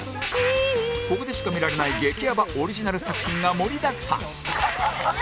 ここでしか見られない激やばオリジナル作品が盛りだくさん